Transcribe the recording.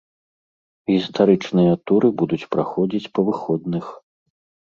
Гістарычныя туры будуць праходзіць па выходных.